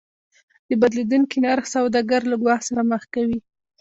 د بدلیدونکي نرخ سوداګر له ګواښ سره مخ کوي.